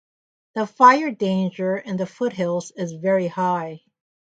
The fire danger in the foothills is very high.